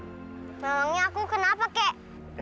memangnya aku kenapa kek